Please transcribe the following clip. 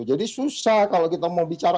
jadi susah kalau kita mau bicara